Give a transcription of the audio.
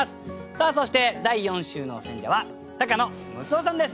さあそして第４週の選者は高野ムツオさんです。